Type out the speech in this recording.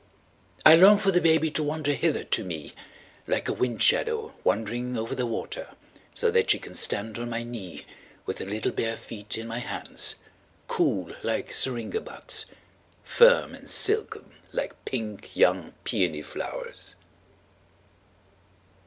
I long for the baby to wander hither to meLike a wind shadow wandering over the water, So that she can stand on my kneeWith her little bare feet in my hands, Cool like syringa buds, Firm and silken like pink young peony flowers.